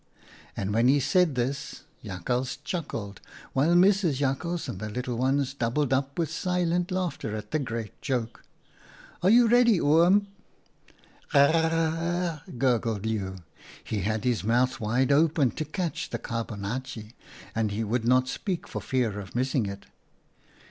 " And when he said this, Jakhals chuckled, while Mrs. Jakhals and the little ones doubled up with silent laughter at the great joke. ' Are you ready, Oom ?'"' Grr r r r r !' gurgled Leeuw. He had his mouth wide open to catch the carbonaatje, and he would not speak for fear of missing it.